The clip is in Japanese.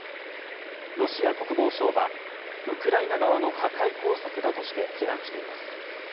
ロシア国防省はウクライナ側の破壊工作だとして非難しています。